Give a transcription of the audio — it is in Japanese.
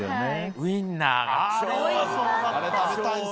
ウインナーが。